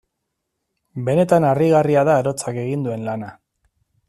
Benetan harrigarria da arotzak egin duen lana.